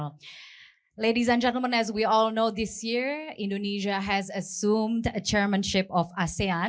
tuan tuan dan perempuan seperti yang kita tahu tahun ini indonesia telah mengambil kepemimpinan asean